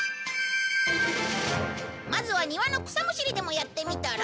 まずは庭の草むしりでもやってみたら？